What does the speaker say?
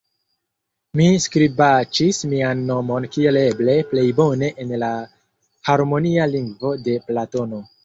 Mi skribaĉis mian nomon kiel eble plej bone en la harmonia lingvo de Platono.